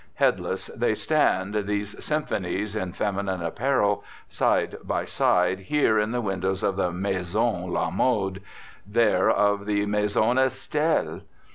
Headless they stand, these symphonies in feminine apparel, side by side here in the windows of the Maison la Mode, there of the Maison Estelle.